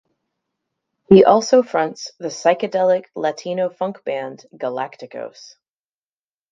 He also fronts the "psychedelic latino-funk" band Galaktikos.